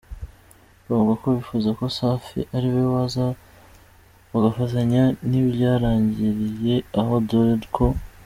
bavuga ko bifuza ko Safi ari we waza bagafatanya , ntibyarangiriye aho dore ko.